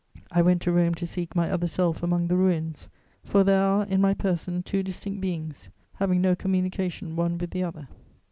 I went to Rome to seek my other self among the ruins, for there are in my person two distinct beings, having no communication one with the other.